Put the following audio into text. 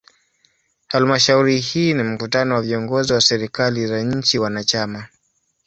Halmashauri hii ni mkutano wa viongozi wa serikali za nchi wanachama.